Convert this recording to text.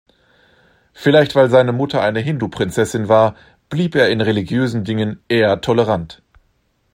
Vielleicht weil seine Mutter eine Hindu-Prinzessin war, blieb er in religiösen Dingen eher tolerant.